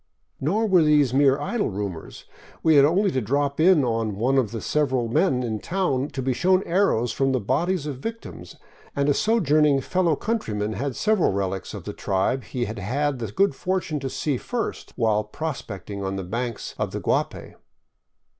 Nor were these mere idle rumors; we had only to drop in on one of several men in town to be shown arrows taken from the bodies of victims, and a sojourn ing fellow countryman had several relics of the tribe he had had the good fortune to see first while prospecting on the banks of the Guapay.